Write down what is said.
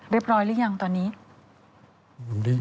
เรียบร้อยหรือยังตอนนี้